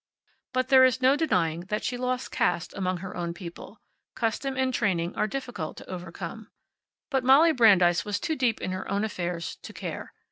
But there is no denying that she lost caste among her own people. Custom and training are difficult to overcome. But Molly Brandeis was too deep in her own affairs to care.